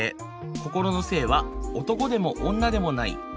心の性は男でも女でもない。